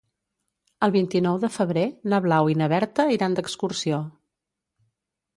El vint-i-nou de febrer na Blau i na Berta iran d'excursió.